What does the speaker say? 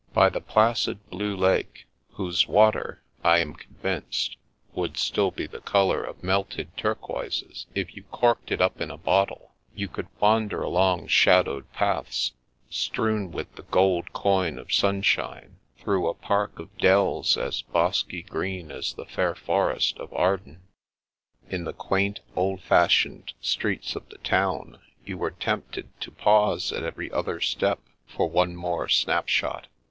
By the placid blue lake — whose water, I am convinced, would still be the colour of melted turquoises if you corked it up in a bottle — ^you could wander along shadowed paths, strewn with the gold coin of sunshine, through a park of dells as bosky green as the fair forest of Arden. In the quaint, old fashioned streets of the town you were tempted to pause at every other step for one more snap shot.